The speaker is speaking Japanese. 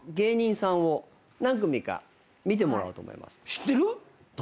知ってる？